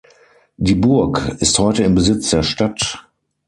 Die Burg ist heute im Besitz der Stadt.